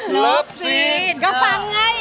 สวัสดีครับคุณหน่อย